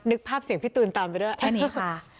นึกภาพเสียงพี่ตูนตามไปด้วยอันนี้ค่ะ